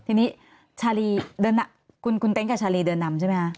ทีนี้ชาลีเดินคุณเต้นกับชาลีเดินดำใช่ไหม